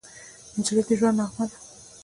نجلۍ د ژونده نغمه ده.